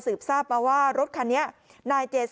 กลุ่มตัวเชียงใหม่